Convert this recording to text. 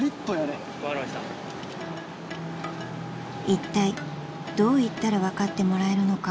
［いったいどう言ったら分かってもらえるのか？］